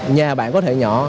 nhà bạn có thể nhỏ